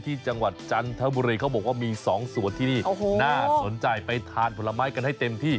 จังหวัดจันทบุรีเขาบอกว่ามี๒ส่วนที่นี่น่าสนใจไปทานผลไม้กันให้เต็มที่